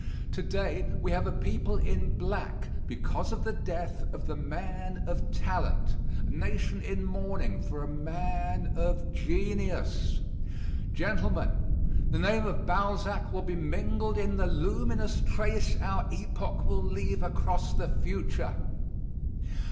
To day we have a people in black because of the death of the man of talent; a nation in mourning for a man of genius. Gentlemen, the name of Balzac will be mingled in the luminous trace our epoch will leave across the future.